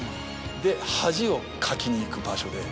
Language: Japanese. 恥をかきに行く場所で。